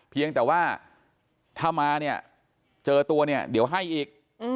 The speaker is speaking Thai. เพียงแต่ว่าถ้ามาเนี่ยเจอตัวเนี่ยเดี๋ยวให้อีก